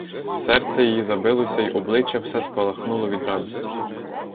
Серце її забилося й обличчя все спалахнуло від радості.